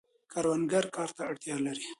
کروندګر کار ته اړتیا لري.